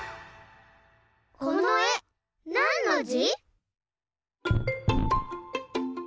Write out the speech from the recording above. このえなんのじ？